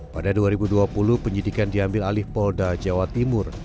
pada dua ribu dua puluh penyidikan diambil alih polda jawa timur